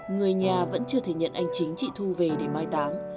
người nhà vẫn chưa thể nhận anh chính chị thu về để mai táng